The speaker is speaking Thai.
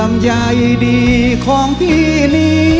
รัมยายดีของพี่นี้